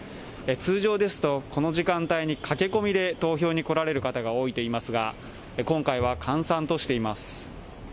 通常ですと、この時間帯に駆け込みで投票に来られる方が多いといいますが今回は閑散としています。